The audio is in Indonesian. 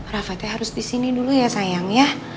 raffa itu harus di sini dulu ya sayang